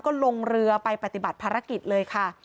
ก็ลงเรือไปปฏิบัติภารกิจเลยค่ะ